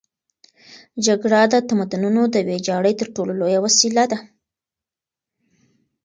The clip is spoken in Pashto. جګړه د تمدنونو د ویجاړۍ تر ټولو لویه وسیله ده.